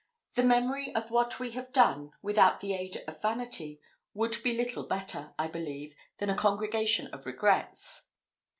The memory of what we have done, without the aid of vanity, would be little better, I believe, than a congregation of regrets.